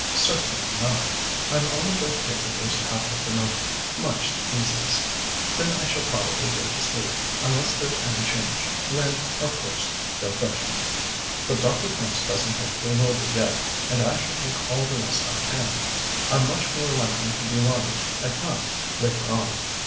"Certainly not. I'm only going to take the first half of the night much the easiest. Then I shall probably go to sleep, unless there's any change, when, of course, they'll fetch me. But Dr. Prince doesn't think there will be yet, and I shall take all the rest I can. I'm much more likely to be wanted at night later on."